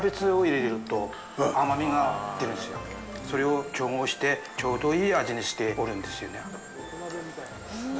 それを調合して、ちょうどいい味にしておるんですよね。